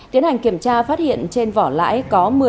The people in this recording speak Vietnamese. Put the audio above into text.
tiến hành kiểm tra phát hiện trên vỏ lãi có